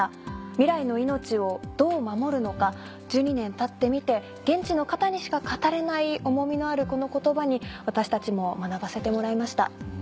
未来の命をどう守るのか１２年たってみて現地の方にしか語れない重みのあるこの言葉に私たちも学ばせてもらいました。